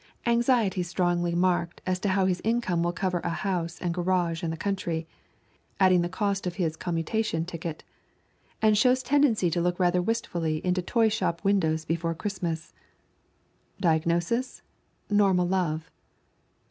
Anxiety strongly marked as to how his income will cover a house and garage in the country, adding the cost of his commutation ticket, and shows tendency to look rather wistfully into toy shop windows before Christmas. Diagnosis: Normal love.